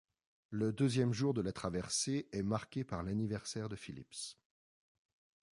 Le deuxième jour de la traversée est marqué par l'anniversaire de Phillips.